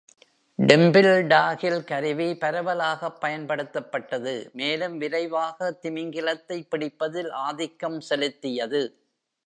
Temple டாகில் கருவி பரவலாகப் பயன்படுத்தப்பட்டது, மேலும் விரைவாக திமிங்கலத்தை பிடிப்பதில் ஆதிக்கம் செலுத்தியது.